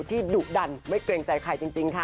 ดุดันไม่เกรงใจใครจริงค่ะ